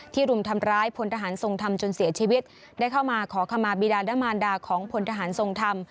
รุมทำร้ายพลทหารทรงธรรมจนเสียชีวิตได้เข้ามาขอขมาบีดาดมารดาของพลทหารทรงธรรม